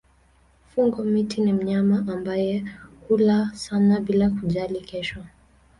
Fungo-miti ni mnyama ambaye hula sana bila kujali kesho.